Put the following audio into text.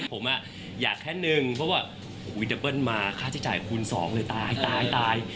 ผมอยากแค่หนึ่งเพราะว่าดับเบิ้ลมาค่าใช้จ่ายคูณ๒เลยตายตายตาย